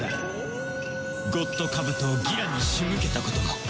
ゴッドカブトをギラに仕向けたことも。